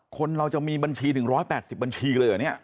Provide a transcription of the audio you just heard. คนเราจะมีบัญชี๑๘๐บัญชีเลยเหรอเนี่ย